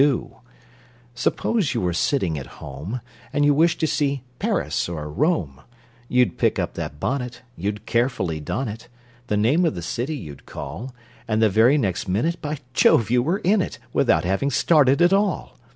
Suppose you were sitting at home, And you wished to see Paris or Rome, You'd pick up that bonnet, You'd carefully don it, The name of the city you'd call, And the very next minute By Jove, you were in it, Without having started at all!